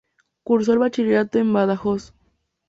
Cursó el bachiller en Badajoz.